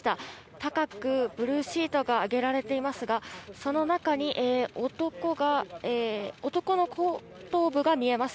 高くブルーシートが上げられていますがその中に、男の後頭部が見えます。